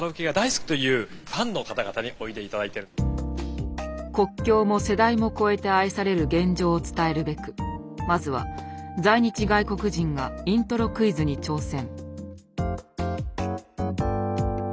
この国境も世代も超えて愛される現状を伝えるべくまずは在日外国人がイントロクイズに挑戦。